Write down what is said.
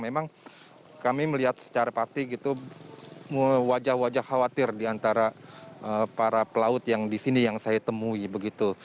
memang kami melihat secara pasti wajah wajah khawatir di antara para pelaut yang disini yang saya temui